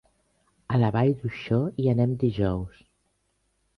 A la Vall d'Uixó hi anem dijous.